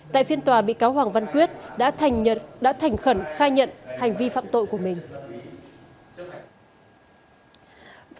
tại phiên tòa bị cáo hoàng văn quyết đã thành khẩn khai nhận hành vi phạm tội của mình